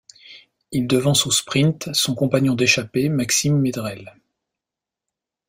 Il devance au sprint son compagnon d'échappée Maxime Méderel.